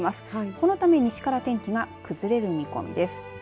このため西から天気が崩れる見込みです。